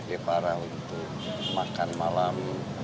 tante farah untuk makan malam